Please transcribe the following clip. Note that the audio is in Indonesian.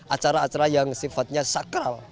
acara acara yang sifatnya sakral